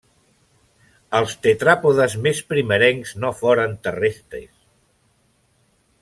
Els tetràpodes més primerencs no foren terrestres.